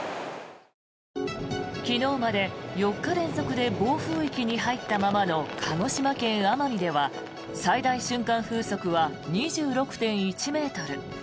昨日まで４日連続で暴風域に入ったままの鹿児島県奄美では最大瞬間風速は２６．１ｍ。